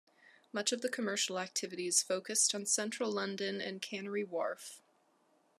Much of the commercial activity is focused on Central London and Canary Wharf.